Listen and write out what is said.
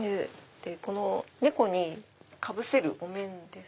この猫にかぶせるお面です。